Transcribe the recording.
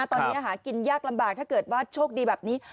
ตอนนี้หากินยากลำบากถ้าเกิดว่าโชคดีแบบนี้